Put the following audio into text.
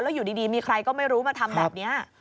แล้วอยู่ดีมีใครก็ไม่รู้มาทำแบบนี้